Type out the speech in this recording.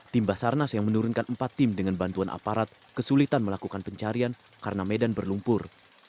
tim basarnas yang menurunkan empat tim dengan bantuan aparat kesulitan melakukan pencarian karena medan berlumpur